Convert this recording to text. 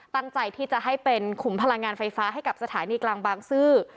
ตั้งใจที่จะให้เป็นขุมพลังงานไฟฟ้าให้กับสถานีกลางบางซื่อ